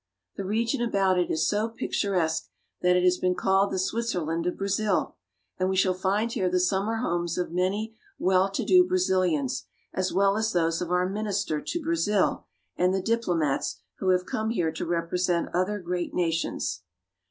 The region about it is so picturesque that it has been called the Switzerland of Brazil, and we shall find here the summer homes of many well to do Brazilians, as well as those of our Minister to Brazil and the diplomats who have come here to represent other great nations.